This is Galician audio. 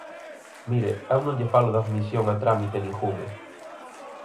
Mire, eu non lle falo de admisión a trámite ningunha.